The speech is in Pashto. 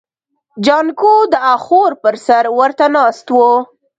جانکو د اخور پر سر ورته ناست و.